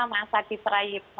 mas adi seraip